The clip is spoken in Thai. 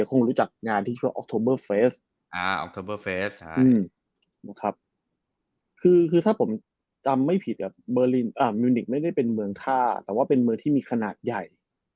คือเมืองมิวนิคไม่ได้เป็นเมืองท่าแต่ว่าเป็นเมืองที่มีขนาดใหญ่